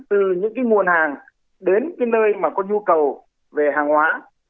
từ những nguồn hàng đến nơi có nhu cầu về hàng hóa